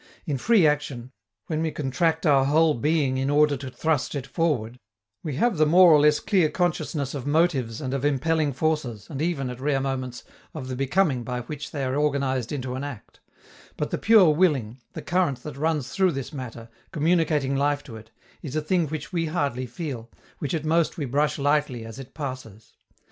In free action, when we contract our whole being in order to thrust it forward, we have the more or less clear consciousness of motives and of impelling forces, and even, at rare moments, of the becoming by which they are organized into an act: but the pure willing, the current that runs through this matter, communicating life to it, is a thing which we hardly feel, which at most we brush lightly as it passes.